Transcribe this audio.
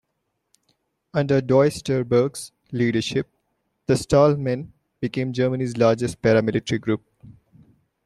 Under Duesterberg's leadership, the Stahlhelm became Germany's largest para-military groups.